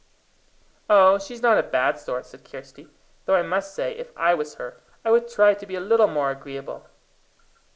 "Oh! she's not a bad sort," said Kirsty; "though I must say, if I was her, I would try to be a little more agreeable."